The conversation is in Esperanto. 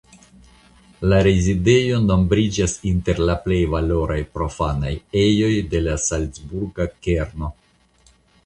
La rezidejo nombriĝas inter la plej valoraj profanaj ejoj de la salcburga kerno.